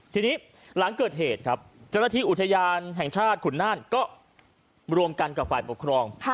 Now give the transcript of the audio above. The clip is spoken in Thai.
ทีนี้หลังเกิดเหตุครับเจ้าหน้าที่อุทยานแห่งชาติขุนน่านก็รวมกันกับฝ่ายปกครอง